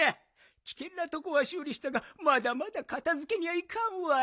きけんなとこはしゅうりしたがまだまだかたづけにゃいかんわい。